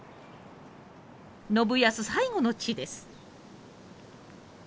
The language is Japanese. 信康最期の地です。